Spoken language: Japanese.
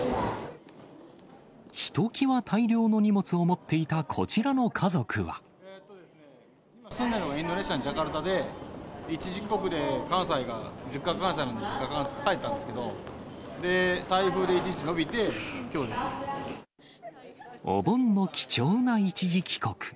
ひときわ大量の荷物を持って今、住んでるのがインドネシアのジャカルタで、一時帰国で関西が、実家関西なんで、実家帰ったんですけど、台風で１日延びてきょうお盆の貴重な一時帰国。